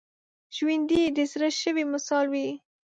ژوندي د زړه سوي مثال وي